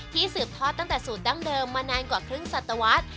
สืบทอดตั้งแต่สูตรดั้งเดิมมานานกว่าครึ่งสัตวรรษ